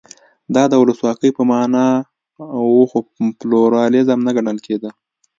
دا د ولسواکۍ په معنا و خو پلورالېزم نه ګڼل کېده.